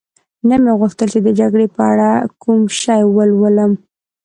نه مې غوښتل چي د جګړې په اړه کوم شی ولولم.